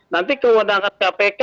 nanti kewenangan kpk